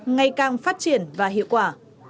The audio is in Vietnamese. ngày càng phát triển và hiệu quả